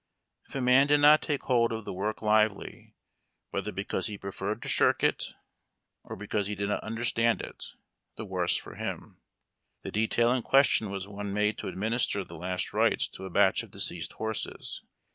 If a man did not take hold of the work lively, whether because he preferred to shirk it or because he did not understand it, the worse for him. The detail in question was one made to administer the last rites to a batch of deceased horses.